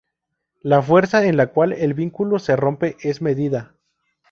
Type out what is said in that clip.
La fuerza en la cual el vínculo se rompe es medida.